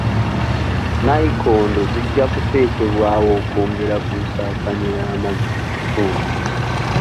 Nnayikondo zijja kuteekebwawo okwongera ku nsaasaanya y'amazzi mu kitundu.